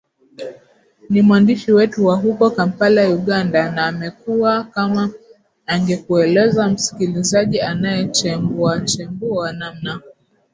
ni mwandishi wetu wa huko kampala uganda na amekuwaa kama angekueleza msikilizaji anachembuachembua namna